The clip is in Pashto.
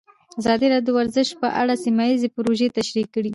ازادي راډیو د ورزش په اړه سیمه ییزې پروژې تشریح کړې.